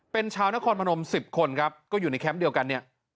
เป็นชาวนครพนม๑๐คนครับก็อยู่ในแคมป์เดียวกันเนี่ย